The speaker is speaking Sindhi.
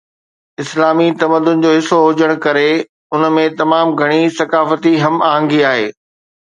اسلامي تمدن جو حصو هجڻ ڪري ان ۾ تمام گهڻي ثقافتي هم آهنگي آهي